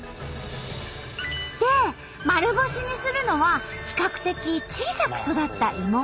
で丸干しにするのは比較的小さく育った芋。